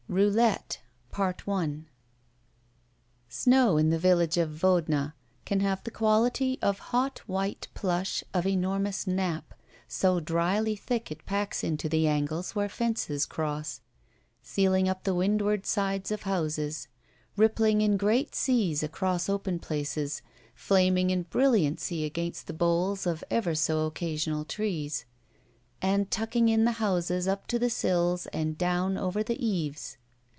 ROULETTE ROULETTE SNOW in the village of Vodna can have the quality of hot white plush of enormous nap, so dryly thick it packs into the angles where fences cross, sealing up the windward sides of houses, rippling in great seas across open places, flaming in brilliancy against the boles of ever so occasional trees, and tucking in the houses up to the sills and down over the eaves.